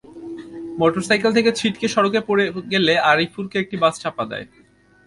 Motorcycle থেকে ছিটকে সড়কে পড়ে গেলে আরিফুরকে একটি বাস চাপা দেয়।